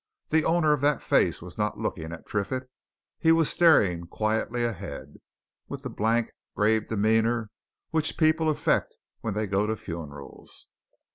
The owner of that face was not looking at Triffitt; he was staring quietly ahead, with the blank, grave demeanour which people affect when they go to funerals.